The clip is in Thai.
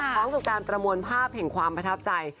ของสุดการณ์ประมวลภาพแห่งความประทับใจ